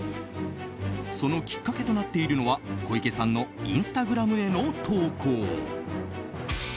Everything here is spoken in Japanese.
そのきっかけとなっているのは小池さんのインスタグラムへの投稿。